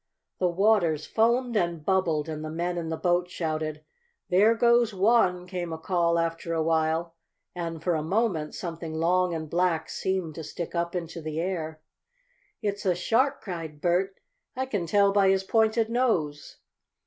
The waters foamed and bubbled, and the men in the boats shouted: "There goes one!" came a call after a while, and, for a moment, something long and black seemed to stick up into the air. "It's a shark!" cried Bert. "I can tell by his pointed nose.